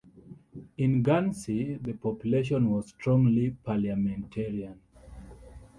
In Guernsey, the population was strongly Parliamentarian.